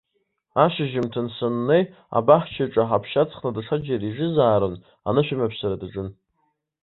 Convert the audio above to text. Ашьжьымҭан саннеи, абаҳчаҿы аҳаԥшьа ыҵхны даҽаџьара ижызаарын, анышә аимаԥсара даҿын.